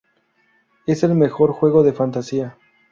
Es el mejor juego de fantasía.